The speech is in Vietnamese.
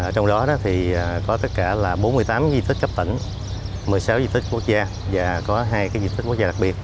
trong đó thì có tất cả là bốn mươi tám di tích cấp tỉnh một mươi sáu di tích quốc gia và có hai di tích quốc gia đặc biệt